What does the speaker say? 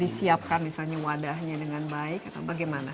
disiapkan misalnya wadahnya dengan baik atau bagaimana